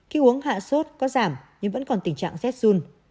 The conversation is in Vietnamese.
khi uống hạ sốt có giảm nhưng vẫn còn tình trạng rét dùn